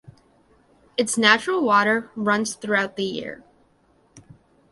Its natural water runs throughout the year.